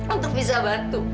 untuk bisa bantu